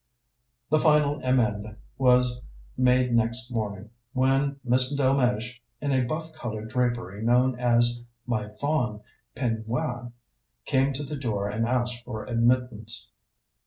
The final amende was made next morning, when Miss Delmege, in a buff coloured drapery known as "my fawn peignwaw," came to the door and asked for admittance.